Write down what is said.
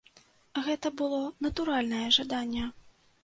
Гэта было натуральнае жаданне.